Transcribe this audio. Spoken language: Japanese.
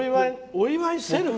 お祝いセルフ？